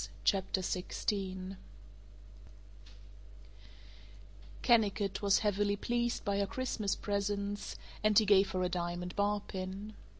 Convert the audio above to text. CHAPTER XVI KENNICOTT was heavily pleased by her Christmas presents, and he gave her a diamond bar pin.